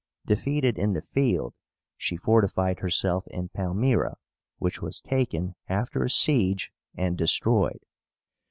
Defeated in the field, she fortified herself in Palmýra, which was taken after a siege and destroyed.